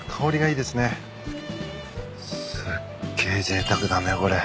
すっげえぜいたくだねこれ。